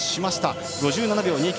５７秒２９。